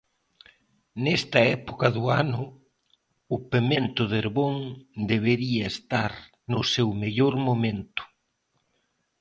Nesta época do ano o pemento de Herbón debería estar no seu mellor momento.